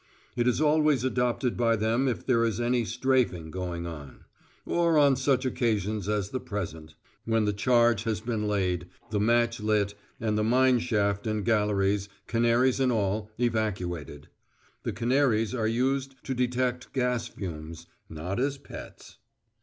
It is always adopted by them if there is any "strafing" going on, or on such occasions as the present, when the charge has been laid, the match lit, and the mine shaft and galleries, canaries and all, evacuated. (The canaries are used to detect gas fumes, not as pets.)